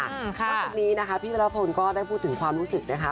วันนี้นะคะพี่พระระพลก็ได้พูดถึงความรู้สึกนะคะ